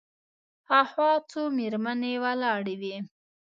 هاخوا څو مېرمنې ولاړې وې.